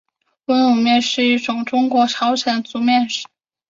温卤面是一种中国朝鲜族面食。